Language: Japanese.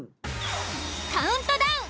カウントダウン